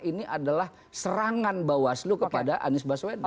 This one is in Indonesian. ini adalah serangan bawaslu kepada anies baswedan